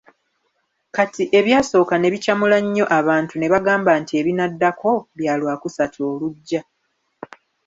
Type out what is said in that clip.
Kati ebyasooka ne bicamula nnyo abantu ne bagamba nti ebinaddako, bya Lwakusatu olujja.